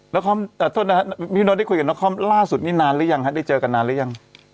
นาคอมพี่พี่โน๊ตได้คุยกับนาคอมล่าสุดนี้นานหรือยังได้เจอกันนานหรือยัง